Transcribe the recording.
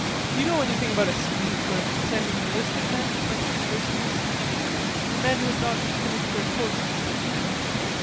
"Do you know anything about a scheme for sending enlisted men to French universities? Men who have not finished their courses."